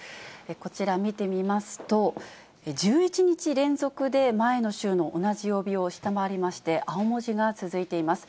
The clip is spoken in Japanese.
こちら見てみますと、１１日連続で前の週の同じ曜日を下回りまして、青文字が続いています。